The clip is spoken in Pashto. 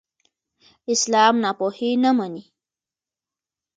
اسلام ناپوهي نه مني.